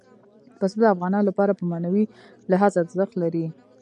پسه د افغانانو لپاره په معنوي لحاظ ارزښت لري.